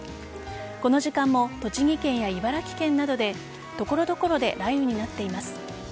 この時間も栃木県や茨城県などで所々で雷雨になっています。